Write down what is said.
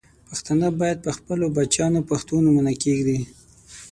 پښتانه باید پر خپلو بچیانو پښتو نومونه کښېږدي.